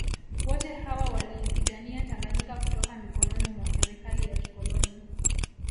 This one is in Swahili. Wote hawa waliipigania Tanganyika kutoka mikononi mwa serikali ya kikoloni